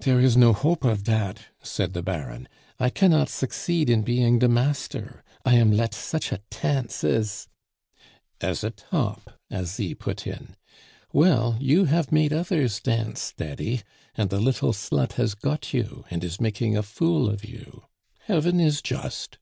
"Dere is no hope of dat," said the Baron. "I cannot succeet in being de master, I am let such a tance as " "As a top," Asie put in. "Well, you have made others dance, daddy, and the little slut has got you, and is making a fool of you. Heaven is just!"